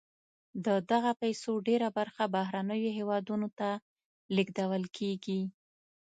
د دغه پیسو ډېره برخه بهرنیو هېوادونو ته لیږدول کیږي.